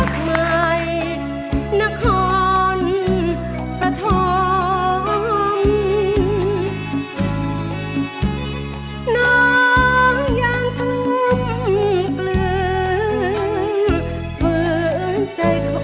ถ้าว่าเพราะรักใหม่